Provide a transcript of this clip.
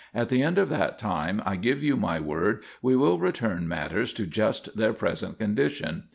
At the end of that time I give you my word we will return matters to just their present condition.